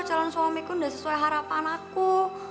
kejadian suamiku enggak sesuai harapan aku